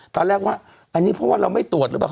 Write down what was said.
ตอนแรกว่าอันนี้เพราะว่าเราไม่ตรวจหรือเปล่า